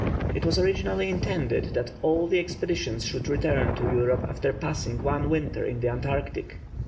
It was originally intended that all the expeditions should return to Europe after passing one winter in the Antarctic.